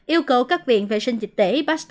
yêu cầu các viện vệ sinh dịch tệ